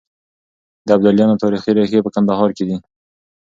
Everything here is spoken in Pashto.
د ابدالیانو تاريخي ريښې په کندهار کې دي.